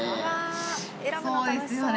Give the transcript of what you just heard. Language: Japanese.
そうですね。